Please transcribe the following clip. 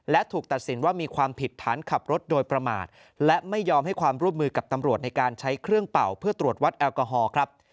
และถูกตัดสินว่ามีความผิดฐานขับรถโดยประมาทและไม่ยอมให้ความร่วมมือกับตำรวจในการใช้เครื่องเป่าเพื่อตรวจวัดแอลกอฮอล์ครับ